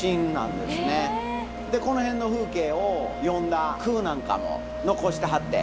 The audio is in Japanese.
この辺の風景を詠んだ句なんかも残してはって。